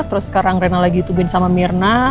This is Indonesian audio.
terus sekarang rena lagi tuguin sama mirna